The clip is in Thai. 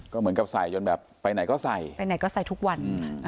ก็เหมือนกับใส่จนแบบไปไหนก็ใส่ไปไหนก็ใส่ทุกวัน